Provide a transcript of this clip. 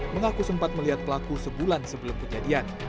mengaku sempat melihat pelaku sebulan sebelum kejadian